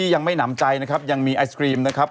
ยังไม่หนำใจนะครับยังมีไอศกรีมนะครับ